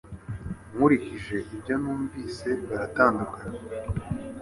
Nkurikije ibyo numvise baratandukanye